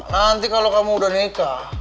nanti kalau kamu udah nikah